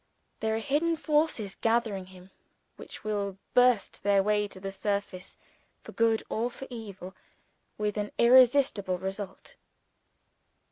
There are hidden forces gathering in him which will burst their way to the surface for good or for evil with an irresistible result.